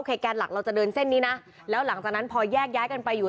แกนหลักเราจะเดินเส้นนี้นะแล้วหลังจากนั้นพอแยกย้ายกันไปอยู่